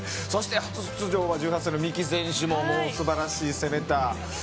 そして初出場は１８歳の三木選手もすばらしい、攻めた。